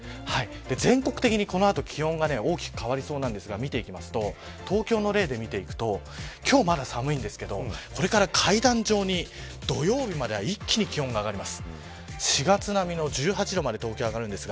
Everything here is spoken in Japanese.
全国的に気温が大きく変わりそうなんですが見ていきますと東京の例で見ていきますとこれから階段状に土曜日までは一気に気温が上がります。